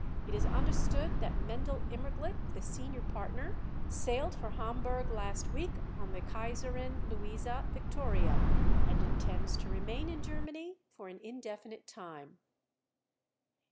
It is understood that Mendel Immerglick, the senior partner, sailed for Hamburg last week on the Kaiserin Luisa Victoria and intends to remain in Germany for an indefinite time."